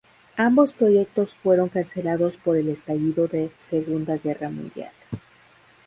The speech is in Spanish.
Ambos proyectos fueron cancelados por el estallido de Segunda Guerra Mundial.